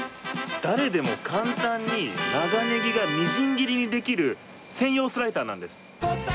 誰でも簡単に長ネギがみじん切りにできる専用スライサーなんです。